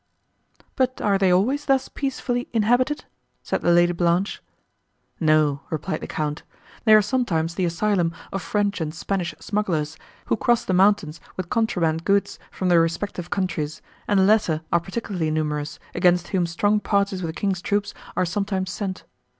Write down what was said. "But are they always thus peacefully inhabited?" said the Lady Blanche. "No," replied the Count, "they are sometimes the asylum of French and Spanish smugglers, who cross the mountains with contraband goods from their respective countries, and the latter are particularly numerous, against whom strong parties of the king's troops are sometimes sent.